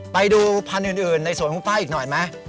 ไปดูพันธุ์อื่นในสวนของป้าอีกหน่อยไหม